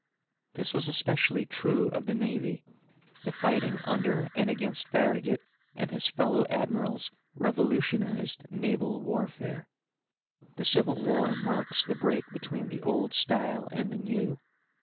This was especially true of the navy. The fighting under and against Farragut and his fellow admirals revolutionized naval warfare. The Civil War marks the break between the old style and the new.